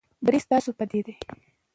بری ستاسو په دی.